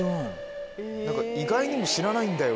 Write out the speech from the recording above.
「意外にも知らないんだよ」